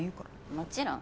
もちろん。